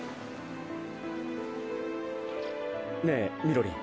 ねえみろりん。